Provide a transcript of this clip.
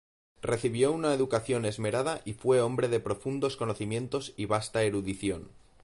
Recibió una educación esmerada y fue hombre de profundos conocimientos y vasta erudición.